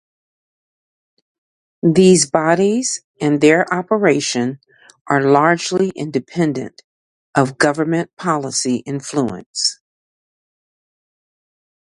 These bodies and their operation are largely independent of Government policy influence.